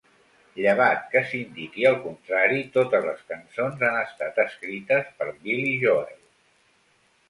Llevat que s'indiqui el contrari, totes les cançons han estat escrites per Billy Joel.